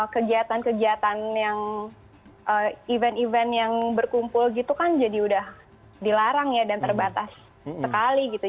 kegiatan kegiatan yang event event yang berkumpul gitu kan jadi udah dilarang ya dan terbatas sekali gitu